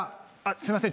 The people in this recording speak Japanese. すいません